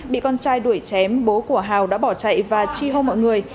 bị con trai đuổi chém bố của hào đã bỏ chạy và chi hô mọi người